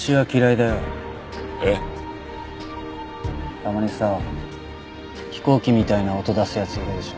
たまにさ飛行機みたいな音出すやついるでしょ。